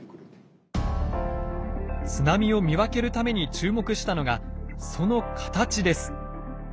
津波を見分けるために注目したのがその形です。